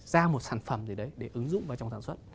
ra một sản phẩm gì đấy để ứng dụng vào trong sản xuất